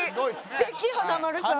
素敵華丸さん。